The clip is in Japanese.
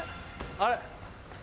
あれ？